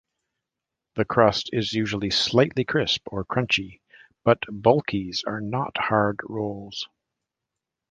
The crust is usually "slightly" crisp or crunchy, but bulkies are not hard rolls.